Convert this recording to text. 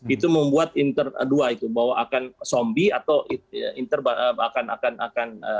itu membuat interdua itu bahwa akan zombie atau akan meninggal atau mati maksudnya lay off people